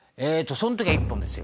その時は一本ですよ。